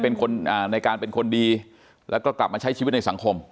ในการเป็นคนดีแล้วก็กลับมาใช้ชีวิตในสังคม